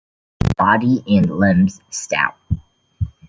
Body and limbs stout.